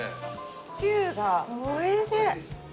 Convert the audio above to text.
シチューがおいしい。